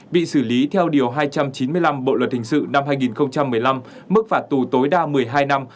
bị xử lý theo điều hai trăm chín mươi năm bộ luật hình sự năm hai nghìn một mươi năm mức phạt tù tối đa một mươi hai năm